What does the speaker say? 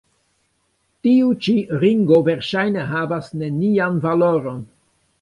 Tiu ĉi ringo verŝajne havas nenian valoron.